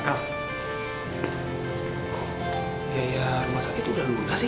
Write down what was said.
kok biaya rumah sakit udah luna sih